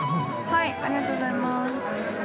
◆ありがとうございます。